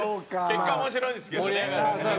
結果面白いんですけどね。